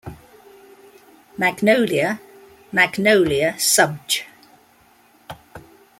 "Magnolia", "Magnolia" subg.